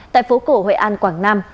tại phố cổ hội an quảng nam